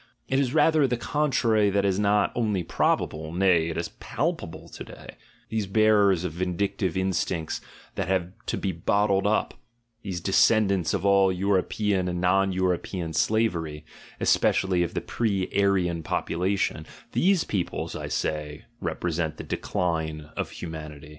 It is rather the contrary that is not only probable— nay, it is palpable to day: these bearers of vindictive instincts that have to be bottled up, these descendants of all European and non European slavery, especially of the pre Aryan population— the people, I say, represent the decline of humanity!